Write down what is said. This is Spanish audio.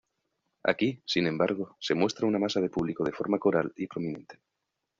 Aquí, sin embargo, se muestra una masa de público de forma coral y prominente.